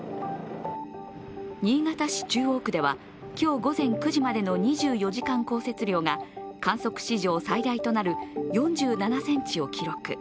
新潟市中央区では、今日午前９時までの２４時間降雪量が観測史上最大となる４７ｃｍを記録。